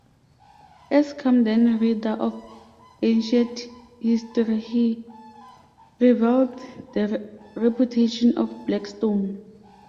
As Camden reader of ancient history he rivalled the reputation of Blackstone.